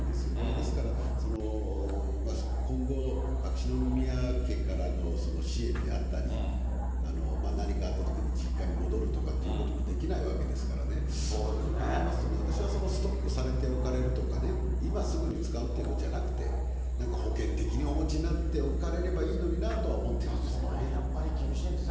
ですから、今後、秋篠宮家からの支援であったり、何かあったときに実家に戻るっていうこともできないわけですからね、そういうことを考えますとね、私はストックされておかれるとかね、今すぐに使うということじゃなくて、なんか保険的にお持ちになっておかれればいいのになとは思ってるそのへんやっぱり厳しいんですね。